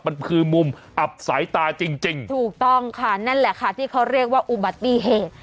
มันคือมุมอับสายตาจริงจริงถูกต้องค่ะนั่นแหละค่ะที่เขาเรียกว่าอุบัติเหตุ